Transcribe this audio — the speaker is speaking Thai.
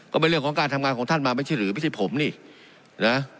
ก็เป็นเรื่องของการทำงานของท่านมาไม่ใช่หรือไม่ใช่ผมนี่นะ